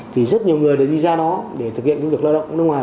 thì rất nhiều người đã đi ra đó để thực hiện công việc lao động nước ngoài